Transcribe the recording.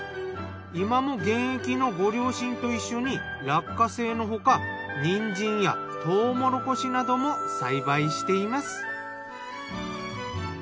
今も現役のご両親と一緒に落花生のほかにんじんやトウモロコシなども栽培しています。